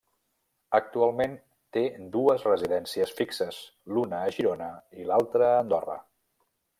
Actualment té dues residències fixes, l'una a Girona i l'altra a Andorra.